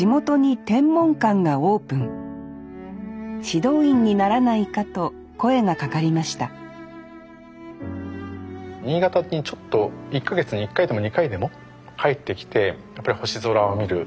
指導員にならないかと声がかかりました新潟にちょっと１か月に１回でも２回でも帰ってきてやっぱり星空を見る。